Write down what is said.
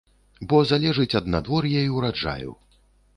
Бо залежыць ад надвор'я і ўраджаю.